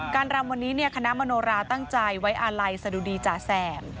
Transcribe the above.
รำวันนี้คณะมโนราตั้งใจไว้อาลัยสะดุดีจ๋าแสม